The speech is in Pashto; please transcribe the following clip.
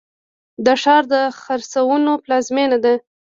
دا ښار د خرسونو پلازمینه ده.